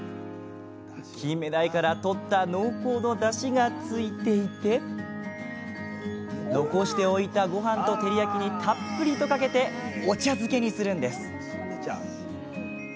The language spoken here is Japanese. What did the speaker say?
キンメダイから取った濃厚のダシがついていて残しておいたごはんと照り焼きにたっぷりとかけてお茶漬けにするんです。